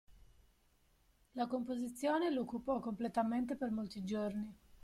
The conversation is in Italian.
La composizione lo occupò completamente per molti giorni.